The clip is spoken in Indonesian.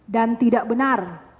dan tidak benar